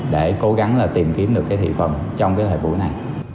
để cố gắng là tìm kiếm được cái thị phần trong cái thời vụ này